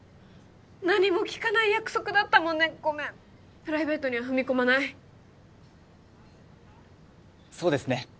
何も聞かない約束だったもんねごめんプライベートには踏み込まないそうですね